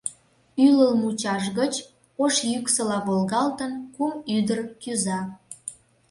Ӱлыл мучаш гыч, ош йӱксыла волгалтын, кум ӱдыр кӱза.